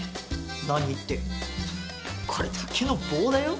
何ってこれ卓球の棒だよ。